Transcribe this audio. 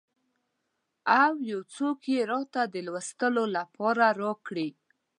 او یو څوک یې راته د لوستلو لپاره راکړي.